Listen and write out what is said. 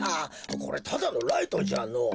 これただのライトじゃのぉ。